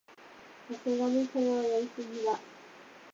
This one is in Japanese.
さすがにそれはやりすぎだ